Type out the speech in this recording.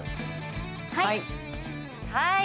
はい。